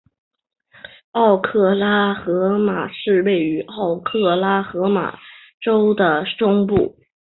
奥克拉荷马市位于奥克拉荷马州的中部。